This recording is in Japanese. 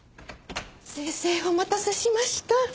先生お待たせしました。